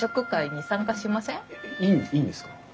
えいいんですか？